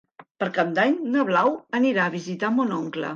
Per Cap d'Any na Blau anirà a visitar mon oncle.